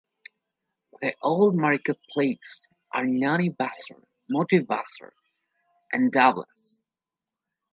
The old marketplaces are Nani Bazar, Moti Bazar and Dhalvas.